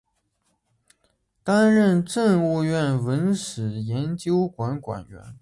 担任政务院文史研究馆馆员。